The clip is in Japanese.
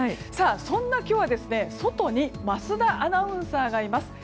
そんな今日は、外に桝田アナウンサーがいます。